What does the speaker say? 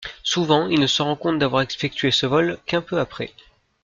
Souvent, il ne se rend compte d'avoir effectué ce vol qu'un peu après.